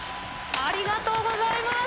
ありがとうございます。